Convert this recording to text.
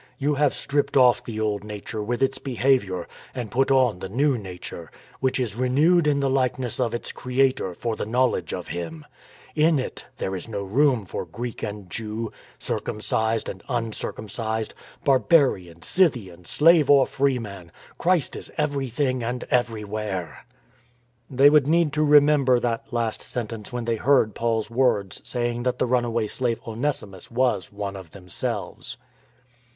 You have stripped off the old nature with its behaviour and put on the new 368 FINISHING THE COURSE nature, which is renewed in the Hkeness of its Creator for the Knowledge of Him, In it there is no room for Greek and Jew, circumcised and uncircumcised, barbarian, Scythian, slave or free man; Christ is everything and everywhere." They would need to remember that last sentence when they heard Paul's words saying that the run away slave Onesimus was " one of themselves."